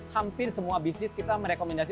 hampir semua bisnis kita merekomendasi